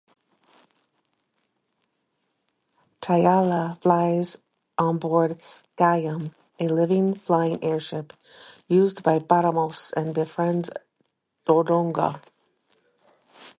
Tiala flies onboard Gaim, a living, flying airship used by Baramos, and befriends Dodonga.